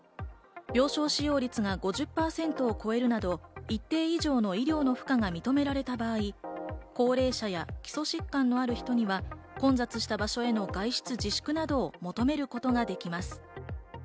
病床使用率が５０％を超えるなど、一定以上の医療の負荷が認められた場合、高齢者や基礎疾患のある人には混雑した場所への外出自粛などをお願いすることができます。